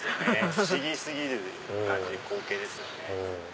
不思議過ぎる光景ですよね。